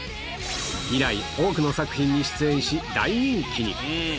以来、多くの作品に出演し、大人気に。